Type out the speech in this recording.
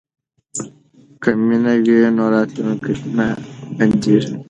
که مینه وي نو راتلونکی نه بندیږي.